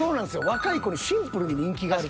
若い子にシンプルに人気がある。